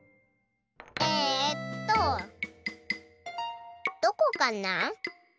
えっとどこかな？